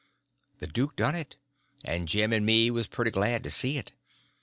The duke done it, and Jim and me was pretty glad to see it.